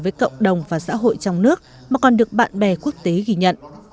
với cộng đồng và xã hội trong nước mà còn được bạn bè quốc tế ghi nhận